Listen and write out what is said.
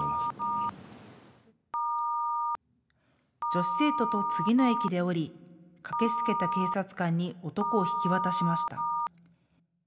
女子生徒と次の駅で降り駆けつけた警察官に男を引き渡しました。